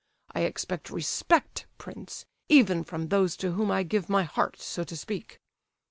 I expect respect, prince, even from those to whom I give my heart, so to speak.